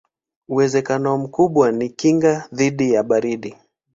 Uwezekano mkubwa ni kinga dhidi ya baridi.